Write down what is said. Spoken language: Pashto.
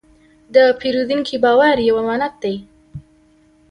د پیرودونکي باور یو امانت دی.